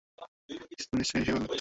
বেশ, তুমিই নিশ্চয় সেই পাইলট।